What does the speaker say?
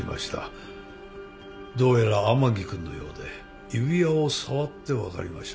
どうやら甘木君のようで指輪を触って分かりました。